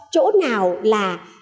chỗ nào là